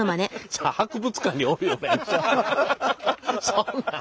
そんなん。